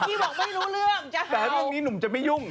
แล้วเมื่อกี้บอกไม่รู้เรื่องจะเห่าแต่เรื่องนี้หนุ่มจะไม่ยุ่ง